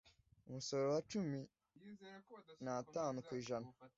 umusoro wa cumi n atanu ku ijana